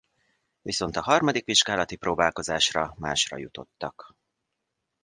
Viszont a harmadik vizsgálati próbálkozásra másra jutottak.